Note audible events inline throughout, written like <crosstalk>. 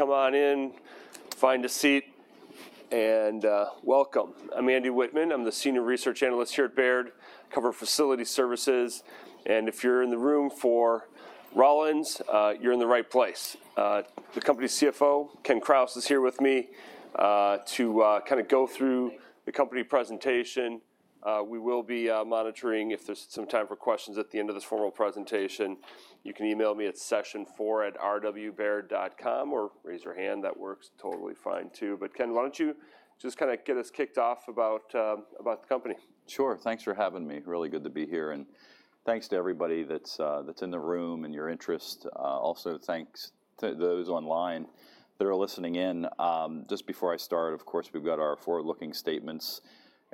Come on in, find a seat, and welcome. I'm Andy Whitman. I'm the Senior Research Analyst here at Baird. I cover facility services. And if you're in the room for Rollins, you're in the right place. The company's CFO, Ken Krause, is here with me to kind of go through the company presentation. We will be monitoring if there's some time for questions at the end of this formal presentation. You can email me at session4@rwbaird.com or raise your hand. That works totally fine too. But, Ken, why don't you just kind of get us kicked off about the company? Sure. Thanks for having me. Really good to be here. And thanks to everybody that's in the room and your interest. Also, thanks to those online that are listening in. Just before I start, of course, we've got our forward-looking statements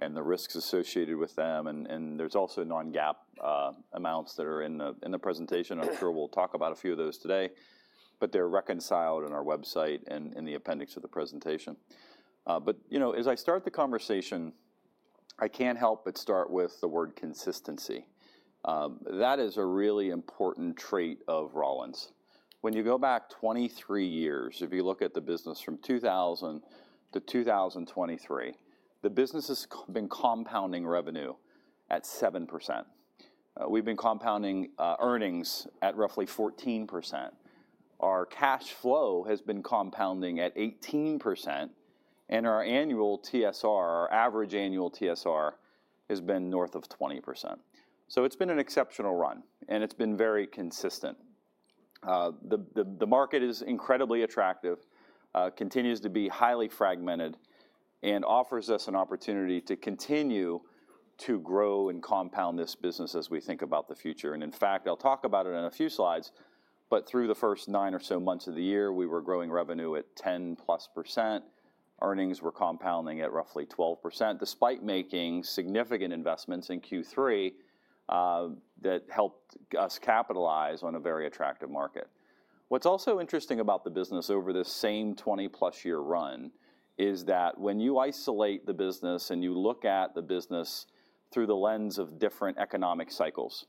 and the risks associated with them. And there's also Non-GAAP amounts that are in the presentation. I'm sure we'll talk about a few of those today. But they're reconciled in our website and in the appendix of the presentation. But as I start the conversation, I can't help but start with the word consistency. That is a really important trait of Rollins. When you go back 23 years, if you look at the business from 2000 to 2023, the business has been compounding revenue at 7%. We've been compounding earnings at roughly 14%. Our cash flow has been compounding at 18%. Our annual TSR, our average annual TSR, has been north of 20%. It's been an exceptional run. It's been very consistent. The market is incredibly attractive, continues to be highly fragmented, and offers us an opportunity to continue to grow and compound this business as we think about the future. In fact, I'll talk about it in a few slides. Through the first nine or so months of the year, we were growing revenue at 10+%. Earnings were compounding at roughly 12%, despite making significant investments in Q3 that helped us capitalize on a very attractive market. What's also interesting about the business over this same 20-plus year run is that when you isolate the business and you look at the business through the lens of different economic cycles,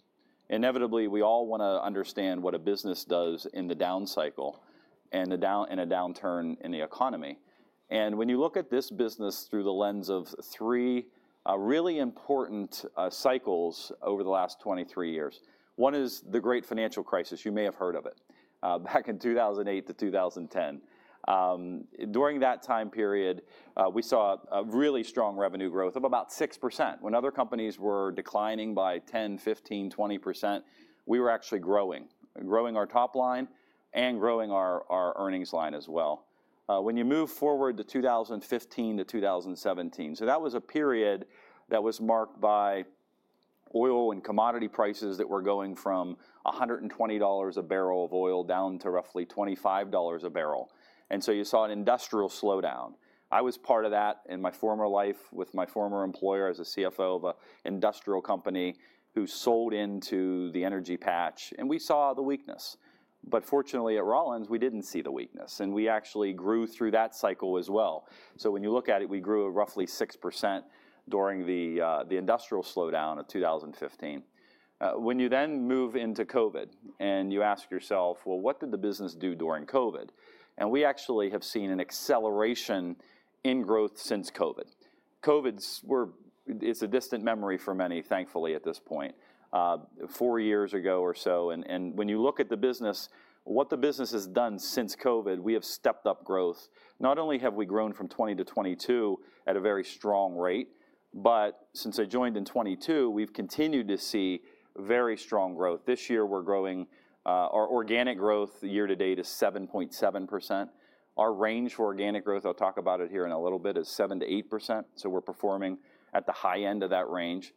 inevitably, we all want to understand what a business does in the down cycle and in a downturn in the economy, and when you look at this business through the lens of three really important cycles over the last 23 years, one is the Great Financial Crisis. You may have heard of it back in 2008 to 2010. During that time period, we saw a really strong revenue growth of about 6%. When other companies were declining by 10%, 15%, 20%, we were actually growing, growing our top line and growing our earnings line as well. When you move forward to 2015 to 2017, so that was a period that was marked by oil and commodity prices that were going from $120 a barrel of oil down to roughly $25 a barrel. And so you saw an industrial slowdown. I was part of that in my former life with my former employer as a CFO of an industrial company who sold into the energy patch. And we saw the weakness. But fortunately, at Rollins, we didn't see the weakness. And we actually grew through that cycle as well. So when you look at it, we grew roughly 6% during the industrial slowdown of 2015. When you then move into COVID and you ask yourself, well, what did the business do during COVID? And we actually have seen an acceleration in growth since COVID. COVID, it's a distant memory for many, thankfully, at this point, four years ago or so. And when you look at the business, what the business has done since COVID, we have stepped up growth. Not only have we grown from 2020 to 2022 at a very strong rate, but since I joined in 2022, we've continued to see very strong growth. This year, we're growing. Our organic growth year to date is 7.7%. Our range for organic growth, I'll talk about it here in a little bit, is 7%-8%. So we're performing at the high end of that range.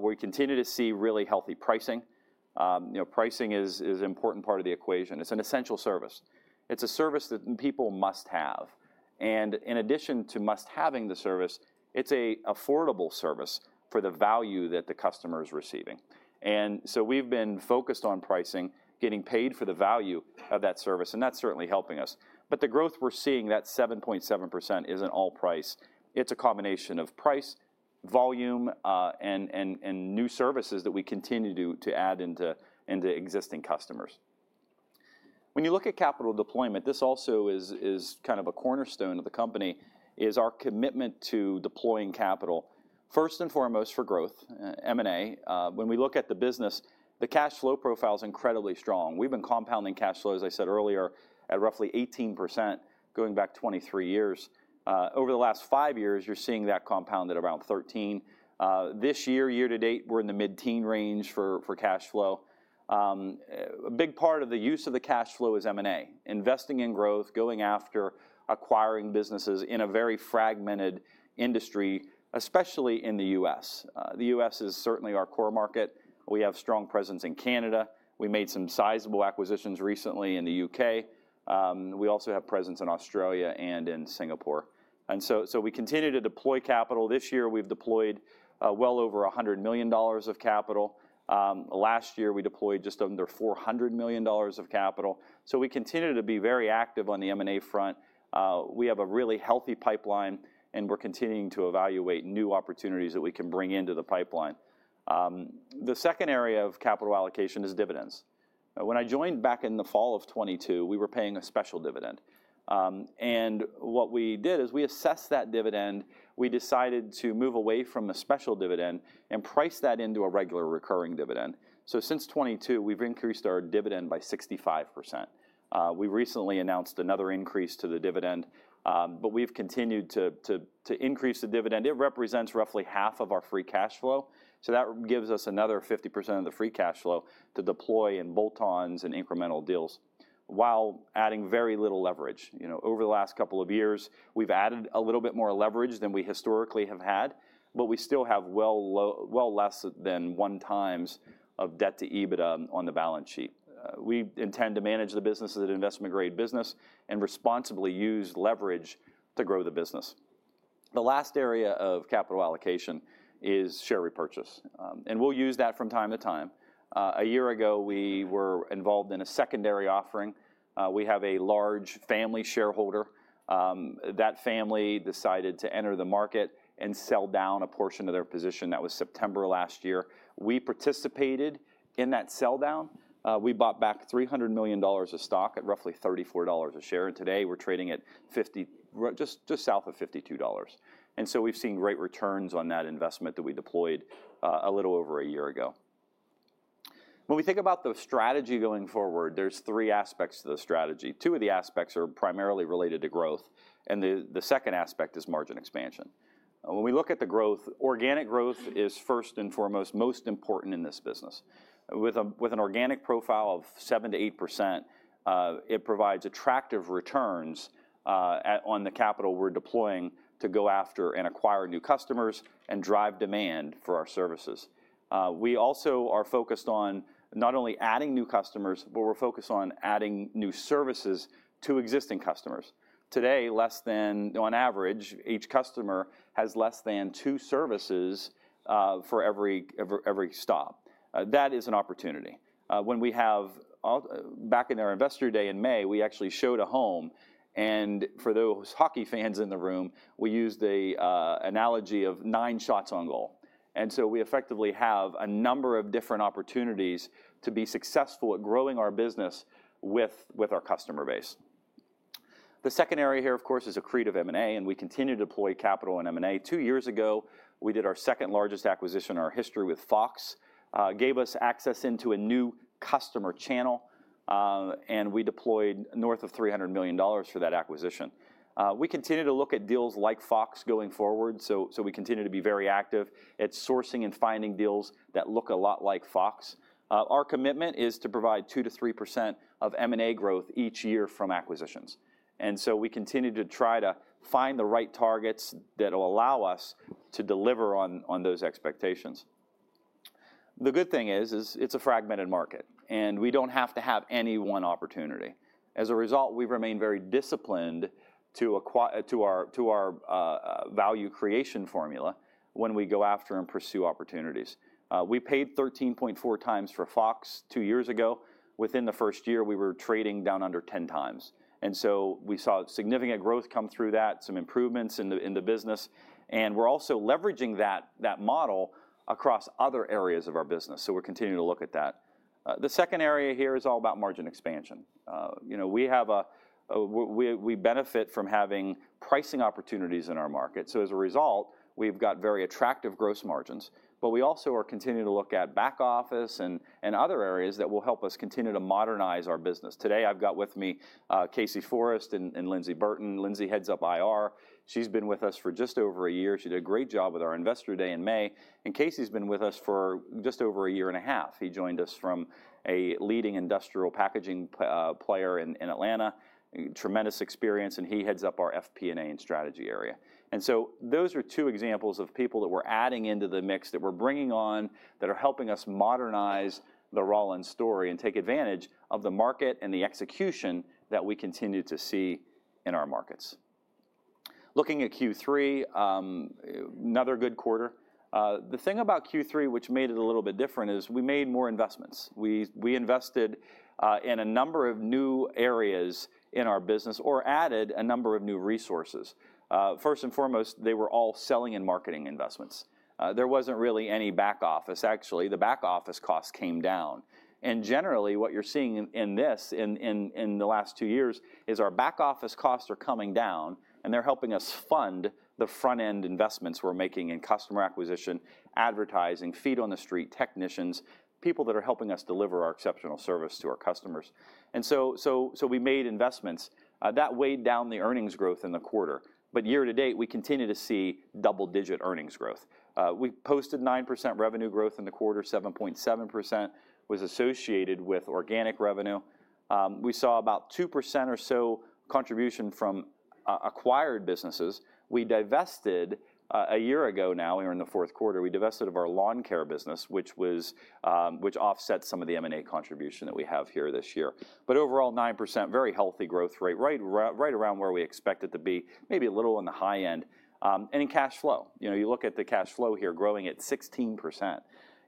We continue to see really healthy pricing. Pricing is an important part of the equation. It's an essential service. It's a service that people must have. And in addition to must having the service, it's an affordable service for the value that the customer is receiving. And so we've been focused on pricing, getting paid for the value of that service. And that's certainly helping us. But the growth we're seeing, that 7.7%, isn't all price. It's a combination of price, volume, and new services that we continue to add into existing customers. When you look at capital deployment, this also is kind of a cornerstone of the company, is our commitment to deploying capital, first and foremost for growth, M&A. When we look at the business, the cash flow profile is incredibly strong. We've been compounding cash flow, as I said earlier, at roughly 18% going back 23 years. Over the last five years, you're seeing that compound at around 13%. This year, year to date, we're in the mid-teen range for cash flow. A big part of the use of the cash flow is M&A, investing in growth, going after acquiring businesses in a very fragmented industry, especially in the U.S. The U.S. is certainly our core market. We have a strong presence in Canada. We made some sizable acquisitions recently in the U.K. We also have a presence in Australia and in Singapore. And so we continue to deploy capital. This year, we've deployed well over $100 million of capital. Last year, we deployed just under $400 million of capital. So we continue to be very active on the M&A front. We have a really healthy pipeline. And we're continuing to evaluate new opportunities that we can bring into the pipeline. The second area of capital allocation is dividends. When I joined back in the fall of 2022, we were paying a special dividend. What we did is we assessed that dividend. We decided to move away from a special dividend and price that into a regular recurring dividend. Since 2022, we've increased our dividend by 65%. We've recently announced another increase to the dividend. We've continued to increase the dividend. It represents roughly half of our free cash flow. That gives us another 50% of the free cash flow to deploy in bolt-ons and incremental deals while adding very little leverage. Over the last couple of years, we've added a little bit more leverage than we historically have had. We still have well less than one times of debt to EBITDA on the balance sheet. We intend to manage the business as an investment-grade business and responsibly use leverage to grow the business. The last area of capital allocation is share repurchase. We'll use that from time to time. A year ago, we were involved in a secondary offering. We have a large family shareholder. That family decided to enter the market and sell down a portion of their position. That was September last year. We participated in that sell down. We bought back $300 million of stock at roughly $34 a share. Today, we're trading at just south of $52. We've seen great returns on that investment that we deployed a little over a year ago. When we think about the strategy going forward, there's three aspects to the strategy. Two of the aspects are primarily related to growth. The second aspect is margin expansion. When we look at the growth, organic growth is first and foremost most important in this business. With an organic profile of 7%-8%, it provides attractive returns on the capital we're deploying to go after and acquire new customers and drive demand for our services. We also are focused on not only adding new customers, but we're focused on adding new services to existing customers. Today, on average, each customer has less than two services for every stop. That is an opportunity. Back in our investor day in May, we actually showed a home. For those hockey fans in the room, we used the analogy of nine shots on goal. So we effectively have a number of different opportunities to be successful at growing our business with our customer base. The second area here, of course, is accretive M&A, and we continue to deploy capital in M&A. Two years ago, we did our second largest acquisition in our history with Fox. It gave us access into a new customer channel. And we deployed north of $300 million for that acquisition. We continue to look at deals like Fox going forward. So we continue to be very active at sourcing and finding deals that look a lot like Fox. Our commitment is to provide 2%-3% of M&A growth each year from acquisitions. And so we continue to try to find the right targets that will allow us to deliver on those expectations. The good thing is it's a fragmented market. And we don't have to have any one opportunity. As a result, we remain very disciplined to our value creation formula when we go after and pursue opportunities. We paid 13.4 times for Fox two years ago. Within the first year, we were trading down under 10 times, and so we saw significant growth come through that, some improvements in the business, and we're also leveraging that model across other areas of our business, so we're continuing to look at that. The second area here is all about margin expansion. We benefit from having pricing opportunities in our market, so as a result, we've got very attractive gross margins, but we also are continuing to look at back office and other areas that will help us continue to modernize our business. Today, I've got with me Casey Forrest and Lindsey Burton. Lindsay heads up IR. She's been with us for just over a year. She did a great job with our investor day in May, and Casey's been with us for just over a year and a half. He joined us from a leading industrial packaging player in Atlanta, tremendous experience, and he heads up our FP&A and strategy area. And so those are two examples of people that we're adding into the mix, that we're bringing on, that are helping us modernize the Rollins story and take advantage of the market and the execution that we continue to see in our markets. Looking at Q3, another good quarter. The thing about Q3, which made it a little bit different, is we made more investments. We invested in a number of new areas in our business or added a number of new resources. First and foremost, they were all selling and marketing investments. There wasn't really any back office. Actually, the back office costs came down, and generally, what you're seeing in this in the last two years is our back office costs are coming down. And they're helping us fund the front-end investments we're making in customer acquisition, advertising, feet on the street, technicians, people that are helping us deliver our exceptional service to our customers. And so we made investments. That weighed down the earnings growth in the quarter. But year to date, we continue to see double-digit earnings growth. We posted 9% revenue growth in the quarter. 7.7% was associated with organic revenue. We saw about 2% or so contribution from acquired businesses. We divested a year ago now. We're in the fourth quarter. We divested of our lawn care business, which offsets some of the M&A contribution that we have here this year. But overall, 9%, very healthy growth rate, right around where we expect it to be, maybe a little on the high end. And in cash flow, you look at the cash flow here growing at 16%.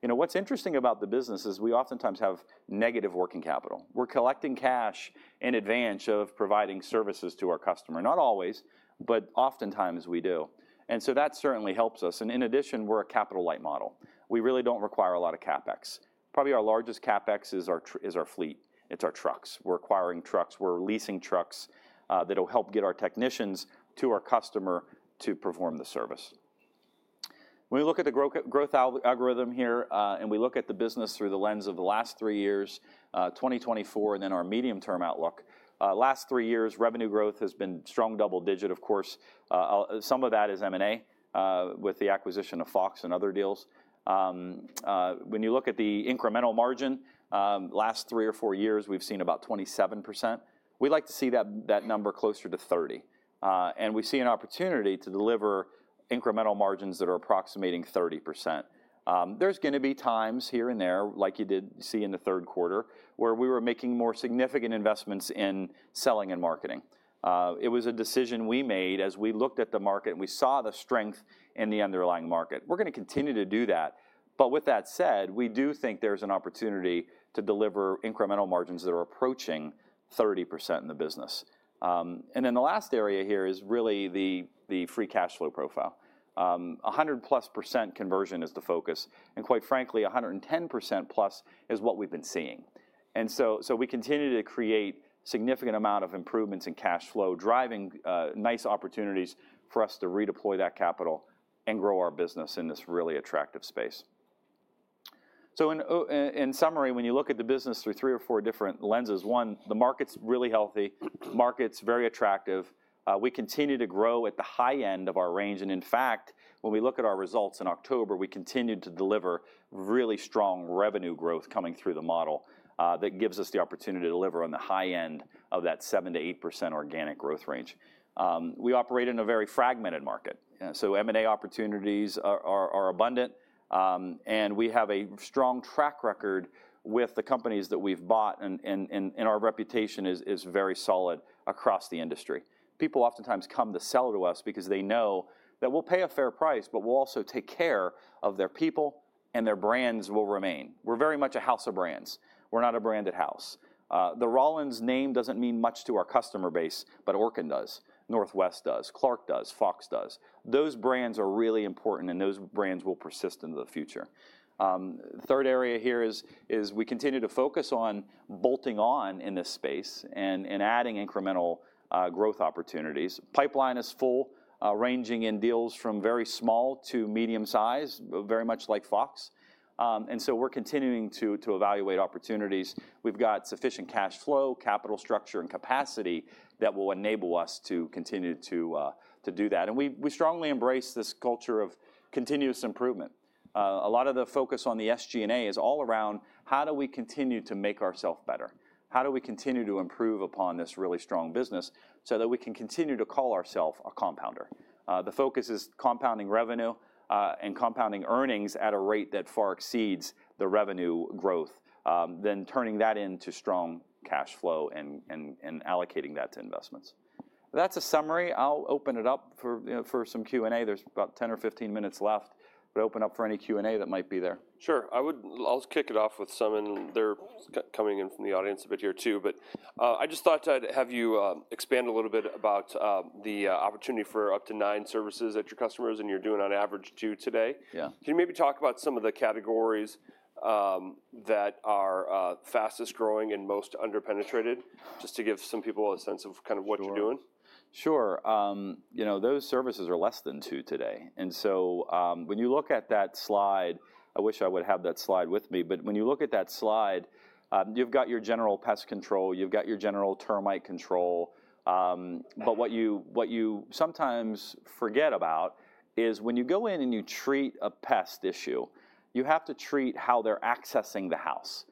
What's interesting about the business is we oftentimes have negative working capital. We're collecting cash in advance of providing services to our customer. Not always, but oftentimes we do. And so that certainly helps us. And in addition, we're a capital-light model. We really don't require a lot of CapEx. Probably our largest CapEx is our fleet. It's our trucks. We're acquiring trucks. We're leasing trucks that will help get our technicians to our customer to perform the service. When we look at the growth algorithm here and we look at the business through the lens of the last three years, 2024, and then our medium-term outlook, last three years, revenue growth has been strong double-digit, of course. Some of that is M&A with the acquisition of Fox and other deals. When you look at the incremental margin, last three or four years, we've seen about 27%. We'd like to see that number closer to 30, and we see an opportunity to deliver incremental margins that are approximating 30%. There's going to be times here and there, like you did see in the third quarter, where we were making more significant investments in selling and marketing. It was a decision we made as we looked at the market and we saw the strength in the underlying market. We're going to continue to do that, but with that said, we do think there's an opportunity to deliver incremental margins that are approaching 30% in the business. And then the last area here is really the free cash flow profile. 100-plus% conversion is the focus, and quite frankly, 110% plus is what we've been seeing. And so we continue to create a significant amount of improvements in cash flow, driving nice opportunities for us to redeploy that capital and grow our business in this really attractive space. So in summary, when you look at the business through three or four different lenses, one, the market's really healthy. The market's very attractive. We continue to grow at the high end of our range. And in fact, when we look at our results in October, we continued to deliver really strong revenue growth coming through the model that gives us the opportunity to deliver on the high end of that 7%-8% organic growth range. We operate in a very fragmented market. So M&A opportunities are abundant. And we have a strong track record with the companies that we've bought. And our reputation is very solid across the industry. People oftentimes come to sell to us because they know that we'll pay a fair price, but we'll also take care of their people and their brands will remain. We're very much a house of brands. We're not a branded house. The Rollins name doesn't mean much to our customer base, but Orkin does, Northwest does, Clark does, Fox does. Those brands are really important, and those brands will persist into the future. The third area here is we continue to focus on bolting on in this space and adding incremental growth opportunities. Pipeline is full, ranging in deals from very small to medium size, very much like Fox, and so we're continuing to evaluate opportunities. We've got sufficient cash flow, capital structure, and capacity that will enable us to continue to do that, and we strongly embrace this culture of continuous improvement. A lot of the focus on the SG&A is all around how do we continue to make ourselves better? How do we continue to improve upon this really strong business so that we can continue to call ourselves a compounder? The focus is compounding revenue and compounding earnings at a rate that far exceeds the revenue growth, then turning that into strong cash flow and allocating that to investments. That's a summary. I'll open it up for some Q&A. There's about 10 or 15 minutes left. But open up for any Q&A that might be there. Sure. I'll kick it off with some. And they're coming in from the audience a bit here too. But I just thought I'd have you expand a little bit about the opportunity for up to nine services that your customers and you're doing on average two today. Can you maybe talk about some of the categories that are fastest growing and most underpenetrated, just to give some people a sense of kind of what you're doing? Sure. Those services are less than 2% today. And so when you look at that slide, I wish I would have that slide with me. But when you look at that slide, you've got your general pest control. You've got your general termite control. But what you sometimes forget about is when you go in and you treat a pest issue, you have to treat how they're accessing the house.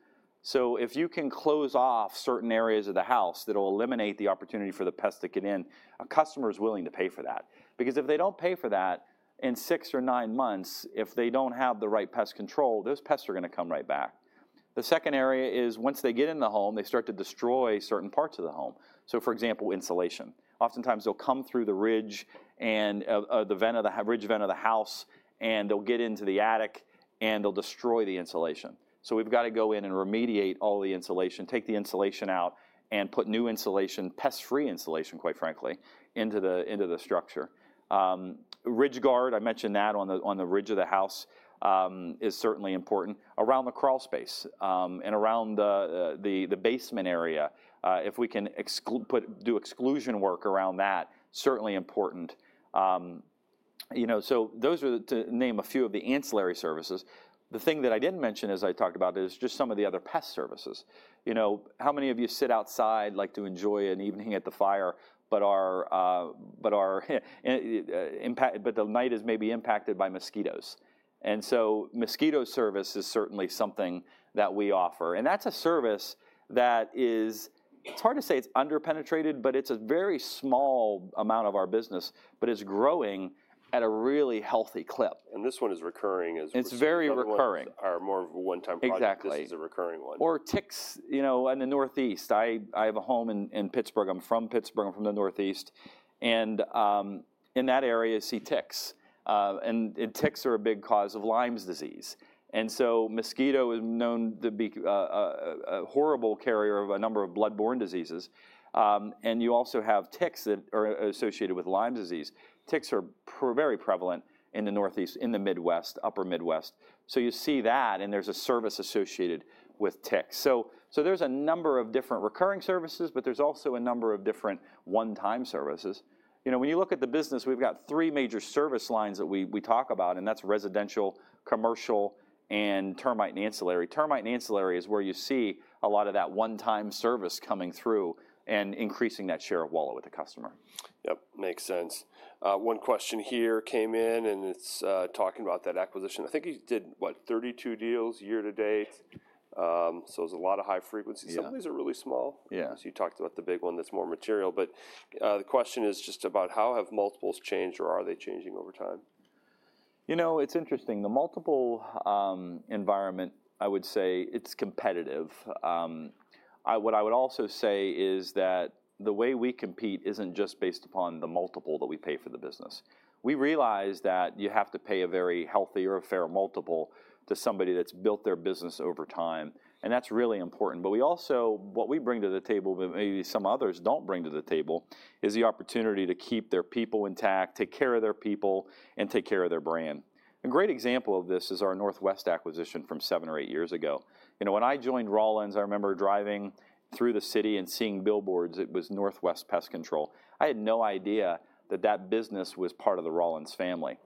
So if you can close off certain areas of the house that will eliminate the opportunity for the pest to get in, a customer is willing to pay for that. Because if they don't pay for that, in six or nine months, if they don't have the right pest control, those pests are going to come right back. The second area is once they get in the home, they start to destroy certain parts of the home. So, for example, insulation. Oftentimes, they'll come through the ridge and the ridge vent of the house, and they'll get into the attic, and they'll destroy the insulation. So we've got to go in and remediate all the insulation, take the insulation out, and put new insulation, pest-free insulation, quite frankly, into the structure. Ridge Guard, I mentioned that on the ridge of the house is certainly important. Around the crawl space and around the basement area, if we can do exclusion work around that, certainly important. So those are to name a few of the ancillary services. The thing that I didn't mention as I talked about is just some of the other pest services. How many of you sit outside to enjoy an evening at the fire, but the night is maybe impacted by mosquitoes, and so mosquito service is certainly something that we offer. That's a service that is. It's hard to say it's underpenetrated, but it's a very small amount of our business, but it's growing at a really healthy clip. This one is recurring. It's very recurring. More of a one-time product. <crosstalk> This is a recurring one. Exactly. Or ticks in the Northeast. I have a home in Pittsburgh. I'm from Pittsburgh. I'm from the Northeast. And in that area, you see ticks. And ticks are a big cause of Lyme disease. And so mosquito is known to be a horrible carrier of a number of bloodborne diseases. And you also have ticks that are associated with Lyme disease. Ticks are very prevalent in the Northeast, in the Midwest, Upper Midwest. So you see that. And there's a service associated with ticks. So there's a number of different recurring services, but there's also a number of different one-time services. When you look at the business, we've got three major service lines that we talk about. And that's residential, commercial, and termite and ancillary. Termite and ancillary is where you see a lot of that one-time service coming through and increasing that share of wallet with the customer. Yep. Makes sense. One question here came in, and it's talking about that acquisition. I think you did, what, 32 deals year to date. So it was a lot of high frequency. Some of these are really small. Yeah. You talked about the big one that's more material. But the question is just about how have multiples changed, or are they changing over time? You know, it's interesting. The multiple environment, I would say, it's competitive. What I would also say is that the way we compete isn't just based upon the multiple that we pay for the business. We realize that you have to pay a very healthy or a fair multiple to somebody that's built their business over time. And that's really important. But what we bring to the table, but maybe some others don't bring to the table, is the opportunity to keep their people intact, take care of their people, and take care of their brand. A great example of this is our Northwest acquisition from seven or eight years ago. When I joined Rollins, I remember driving through the city and seeing billboards. It was Northwest Exterminating. I had no idea that that business was part of the Rollins family.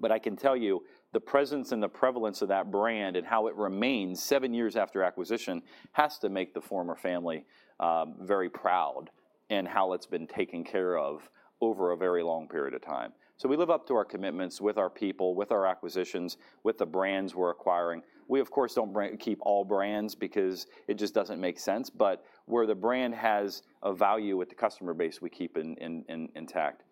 But I can tell you the presence and the prevalence of that brand and how it remains seven years after acquisition has to make the former family very proud in how it's been taken care of over a very long period of time. So we live up to our commitments with our people, with our acquisitions, with the brands we're acquiring. We, of course, don't keep all brands because it just doesn't make sense. But where the brand has a value with the customer base, we keep intact.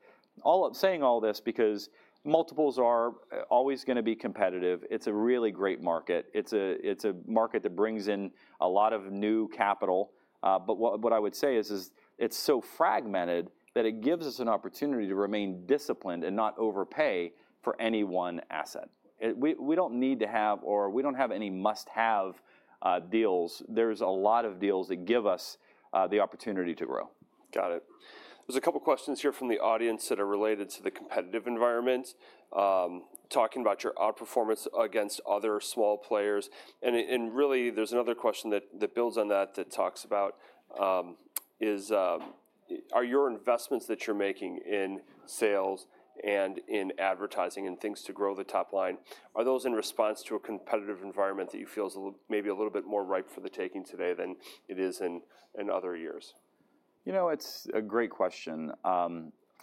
Saying all this because multiples are always going to be competitive. It's a really great market. It's a market that brings in a lot of new capital. But what I would say is it's so fragmented that it gives us an opportunity to remain disciplined and not overpay for any one asset. We don't need to have, or we don't have any must-have deals. There's a lot of deals that give us the opportunity to grow. Got it. There's a couple of questions here from the audience that are related to the competitive environment, talking about your outperformance against other small players. And really, there's another question that builds on that that talks about, are your investments that you're making in sales and in advertising and things to grow the top line, are those in response to a competitive environment that you feel is maybe a little bit more ripe for the taking today than it is in other years? You know, it's a great question.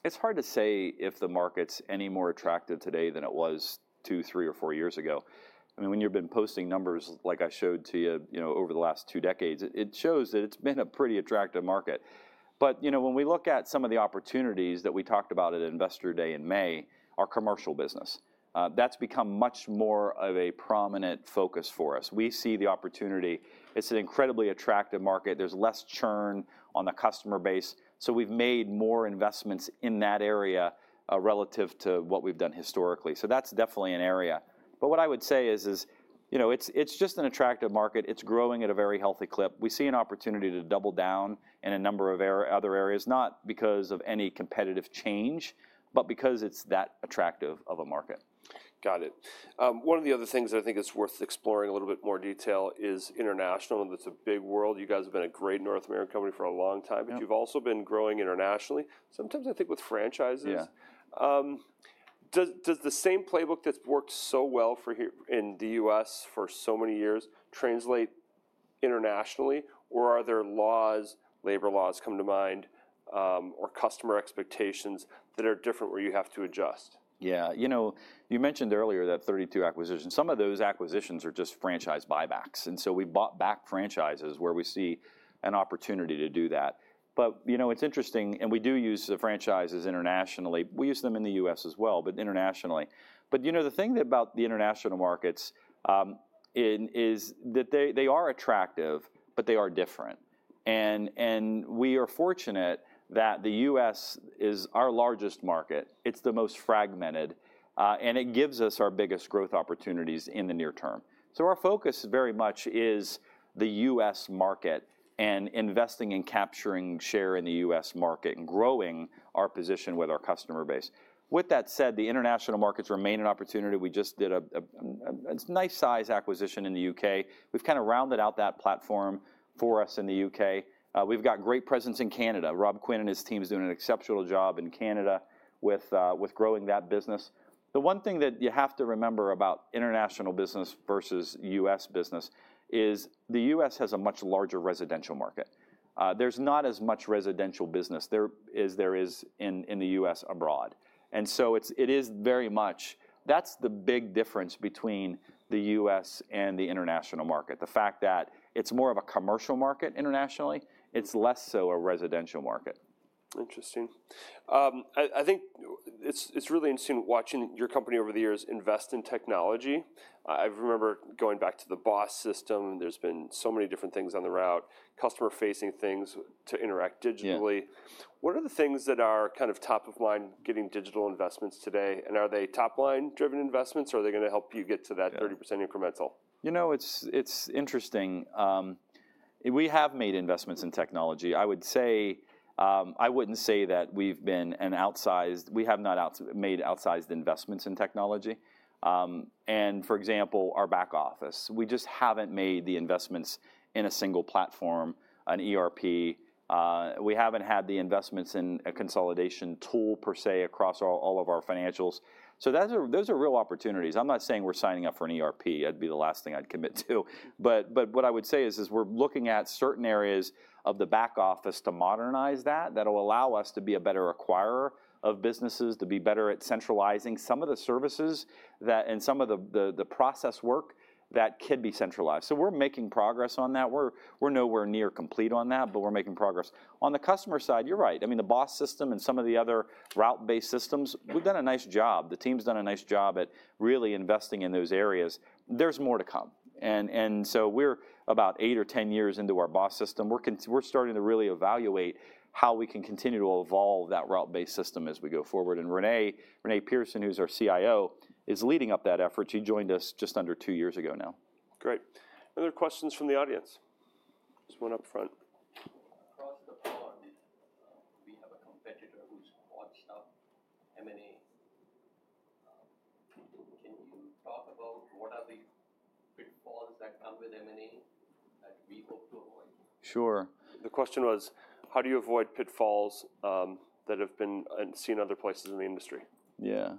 It's hard to say if the market's any more attractive today than it was two, three, or four years ago. I mean, when you've been posting numbers like I showed to you over the last two decades, it shows that it's been a pretty attractive market. But when we look at some of the opportunities that we talked about at Investor Day in May, our commercial business, that's become much more of a prominent focus for us. We see the opportunity. It's an incredibly attractive market. There's less churn on the customer base. So we've made more investments in that area relative to what we've done historically. So that's definitely an area. But what I would say is it's just an attractive market. It's growing at a very healthy clip. We see an opportunity to double down in a number of other areas, not because of any competitive change, but because it's that attractive of a market. Got it. One of the other things that I think is worth exploring a little bit more detail is international. That's a big world. You guys have been a great North American company for a long time. But you've also been growing internationally, sometimes I think with franchises. Does the same playbook that's worked so well in the U.S. for so many years translate internationally? Or are there laws, labor laws come to mind, or customer expectations that are different where you have to adjust? Yeah. You mentioned earlier that 32 acquisitions. Some of those acquisitions are just franchise buybacks, and so we bought back franchises where we see an opportunity to do that. But it's interesting, and we do use the franchises internationally. We use them in the U.S. as well, but internationally. But the thing about the international markets is that they are attractive, but they are different, and we are fortunate that the U.S. is our largest market. It's the most fragmented, and it gives us our biggest growth opportunities in the near term, so our focus very much is the U.S. market and investing and capturing share in the U.S. market and growing our position with our customer base. With that said, the international markets remain an opportunity. We just did a nice-sized acquisition in the U.K. We've kind of rounded out that platform for us in the U.K. We've got great presence in Canada. Rob Quinn and his team is doing an exceptional job in Canada with growing that business. The one thing that you have to remember about international business versus U.S. business is the U.S. has a much larger residential market. There's not as much residential business there as there is in the U.S. abroad. And so it is very much that's the big difference between the U.S. and the international market, the fact that it's more of a commercial market internationally. It's less so a residential market. Interesting. I think it's really interesting watching your company over the years invest in technology. I remember going back to the BOSS system. There's been so many different things on the route, customer-facing things to interact digitally. What are the things that are kind of top of mind getting digital investments today? And are they top-line-driven investments, or are they going to help you get to that 30% incremental? You know, it's interesting. We have made investments in technology. I would say, I wouldn't say that we've been an outsized. We have not made outsized investments in technology, and for example, our back office, we just haven't made the investments in a single platform, an ERP. We haven't had the investments in a consolidation tool per se across all of our financials. So those are real opportunities. I'm not saying we're signing up for an ERP. That'd be the last thing I'd commit to. But what I would say is we're looking at certain areas of the back office to modernize that will allow us to be a better acquirer of businesses, to be better at centralizing some of the services and some of the process work that could be centralized. So we're making progress on that. We're nowhere near complete on that, but we're making progress. On the customer side, you're right. I mean, the BOSS system and some of the other route-based systems, we've done a nice job. The team's done a nice job at really investing in those areas. There's more to come. And so we're about eight or 10 years into our BOSS system. We're starting to really evaluate how we can continue to evolve that route-based system as we go forward. And Renee Pearson, who's our CIO, is leading up that effort. She joined us just under two years ago now. Great. Other questions from the audience? Just one up front. Across the pond, we have a competitor who's bought stuff, M&A. Can you talk about what are the pitfalls that come with M&A that we hope to avoid? Sure. The question was, how do you avoid pitfalls that have been seen in other places in the industry? Yeah.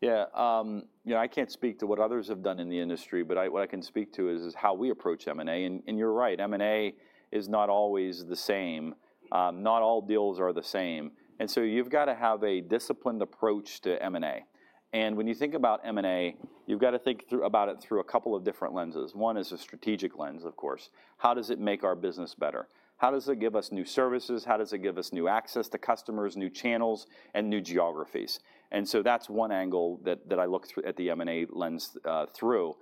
Yeah. I can't speak to what others have done in the industry, but what I can speak to is how we approach M&A. And you're right. M&A is not always the same. Not all deals are the same. And so you've got to have a disciplined approach to M&A. And when you think about M&A, you've got to think about it through a couple of different lenses. One is a strategic lens, of course. How does it make our business better? How does it give us new services? How does it give us new access to customers, new channels, and new geographies? And so that's one angle that I look at the M&A lens through.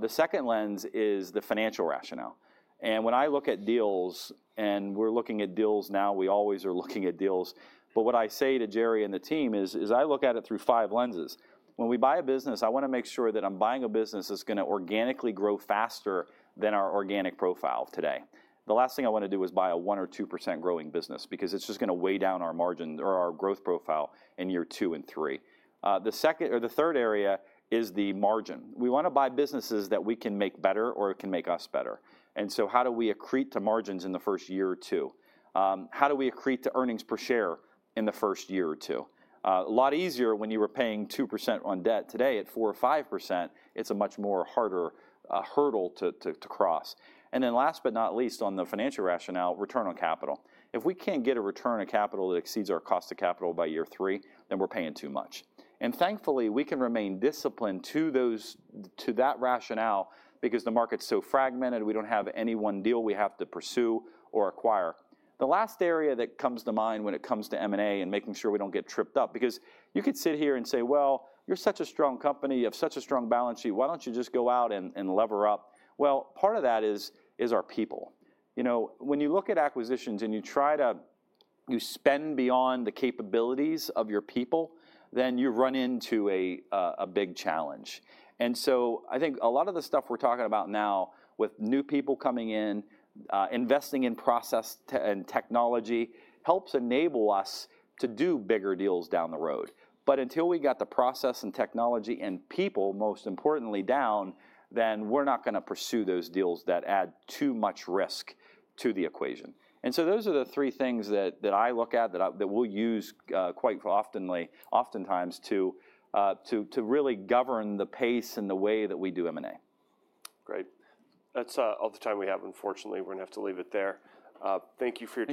The second lens is the financial rationale. And when I look at deals and we're looking at deals now, we always are looking at deals. But what I say to Jerry and the team is I look at it through five lenses. When we buy a business, I want to make sure that I'm buying a business that's going to organically grow faster than our organic profile today. The last thing I want to do is buy a 1% or 2% growing business because it's just going to weigh down our margin or our growth profile in year two and three. The third area is the margin. We want to buy businesses that we can make better or can make us better. And so how do we accrete to margins in the first year or two? How do we accrete to earnings per share in the first year or two? A lot easier when you were paying 2% on debt today at 4% or 5%. It's a much more harder hurdle to cross. And then, last but not least, on the financial rationale, return on capital. If we can't get a return on capital that exceeds our cost of capital by year three, then we're paying too much. And thankfully, we can remain disciplined to that rationale because the market's so fragmented. We don't have any one deal we have to pursue or acquire. The last area that comes to mind when it comes to M&A and making sure we don't get tripped up because you could sit here and say, well, you're such a strong company. You have such a strong balance sheet. Why don't you just go out and lever up? Well, part of that is our people. When you look at acquisitions and you spend beyond the capabilities of your people, then you run into a big challenge. And so I think a lot of the stuff we're talking about now with new people coming in, investing in process and technology helps enable us to do bigger deals down the road. But until we got the process and technology and people, most importantly, down, then we're not going to pursue those deals that add too much risk to the equation. And so those are the three things that I look at that we'll use quite oftentimes to really govern the pace and the way that we do M&A. Great. That's all the time we have, unfortunately. We're going to have to leave it there. Thank you for your.